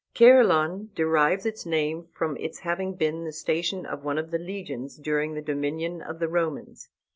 Caerleon derives its name from its having been the station of one of the legions, during the dominion of the Romans.